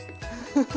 フフフ。